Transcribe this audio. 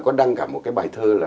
có đăng cả một bài thơ